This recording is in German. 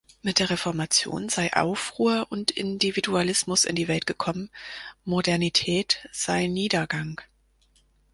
Mit der Reformation sei Aufruhr und Individualismus in die Welt gekommen, Modernität sei Niedergang.